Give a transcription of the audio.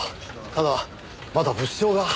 ただまだ物証が。